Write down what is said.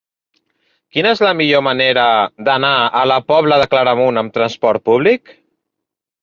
Quina és la millor manera d'anar a la Pobla de Claramunt amb trasport públic?